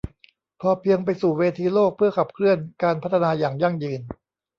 พอเพียงไปสู่เวทีโลกเพื่อขับเคลื่อนการพัฒนาอย่างยั่งยืน